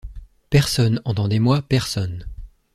Personne, entendez-moi, personne!